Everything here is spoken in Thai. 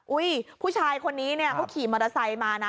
อุ๊ยผู้ชายคนนี้เขาขี่มอเตอร์ไซค์มานะ